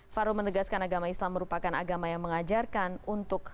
farul menegaskan agama islam merupakan agama yang mengajarkan untuk